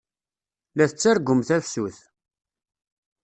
La tettargum tafsut!